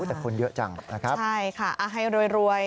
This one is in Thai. แต่คนเยอะจังนะครับใช่ค่ะให้รวย